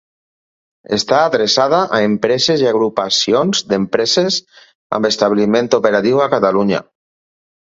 Està adreçada a empreses i agrupacions d'empreses amb establiment operatiu a Catalunya.